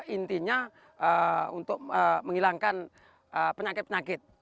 intinya untuk menghilangkan penyakit penyakit